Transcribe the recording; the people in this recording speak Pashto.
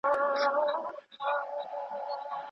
هغه له مخکي تکړه لارښود استاد پېژندلی و.